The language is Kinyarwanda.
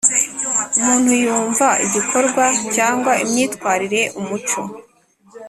umuntu yumva igikorwa cyangwa imyitwarire umuco